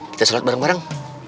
kita sholat bareng bareng